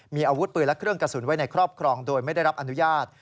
มีอาวุธปืนและเครื่องกระสุนไว้ในครอบครองโดยไม่ได้รับอนุญาต